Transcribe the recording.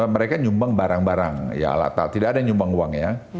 mereka nyumbang barang barang ya alat alat tidak ada nyumbang uang ya